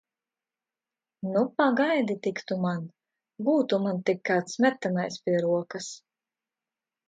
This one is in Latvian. Nu, pagaidi tik tu man! Būtu man tik kāds metamais pie rokas!